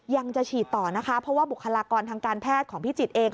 ยังจะฉีดต่อนะคะเพราะว่าบุคลากรทางการแพทย์ของพิจิตรเอง